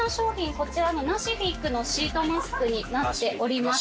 こちらのＮＡＣＩＦＩＣのシートマスクになっておりますね。